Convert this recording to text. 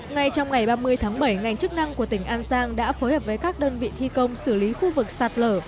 ngay trong ngày ba mươi tháng bảy ngành chức năng của tỉnh an giang đã phối hợp với các đơn vị thi công xử lý khu vực sạt lở